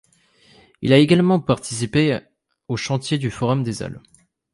Il a également participé au chantier du forum des Halles.